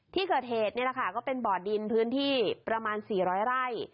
ที่เกิดเหตุก็เป็นบ่อดินพื้นที่ประมาณ๔๐๐ไร่